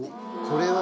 これは。